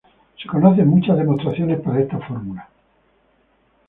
Se conocen muchas demostraciones para esta fórmula.